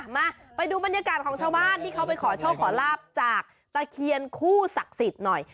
มาดูบรรยากาศของชาวบ้านที่เขาไปขอโชคขอลาบจากตะเคียนคู่ศักดิ์สิทธิ์หน่อย